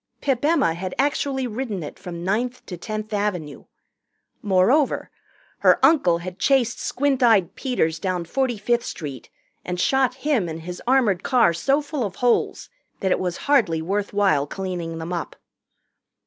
Pip Emma had actually ridden it from Ninth to Tenth Avenue. Moreover her uncle had chased Squint Eyed Peters down Forty fifth Street and shot him and his armored car so full of holes that it was hardly worth while cleaning them up.